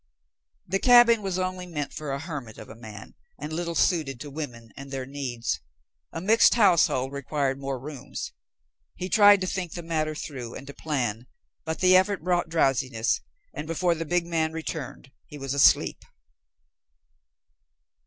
The cabin was only meant for a hermit of a man, and little suited to women and their needs. A mixed household required more rooms. He tried to think the matter through and to plan, but the effort brought drowsiness, and before the big man returned he was asleep.